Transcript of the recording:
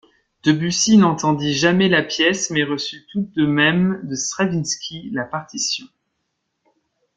Debussy n'entendit jamais la pièce, mais reçut tout de même de Stravinsky la partition.